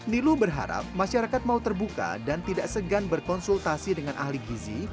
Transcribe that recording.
nilu berharap masyarakat mau terbuka dan tidak segan berkonsultasi dengan ahli gizi